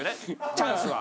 チャンスは。